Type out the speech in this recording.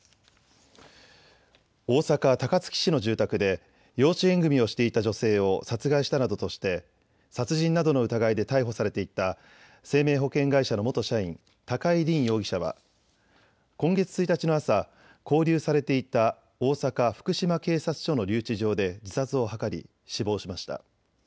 大阪高槻市の住宅で養子縁組みをしていた女性を殺害したなどとして殺人などの疑いで逮捕されていた生命保険会社の元社員、高井凜容疑者は今月１日の朝、勾留されていた大阪、福島警察署の留置場で自殺を図り死亡しました。